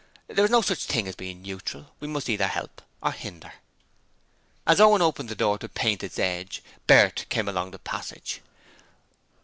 There is no such thing as being neutral: we must either help or hinder.' As Owen opened the door to paint its edge, Bert came along the passage.